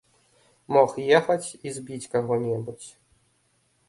Мог ехаць і збіць каго-небудзь.